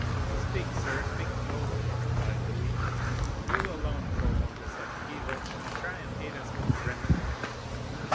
"Speak, sir, speak boldly," replied Louis. "You alone forewarned us of the evil; now try and aid us with the remedy."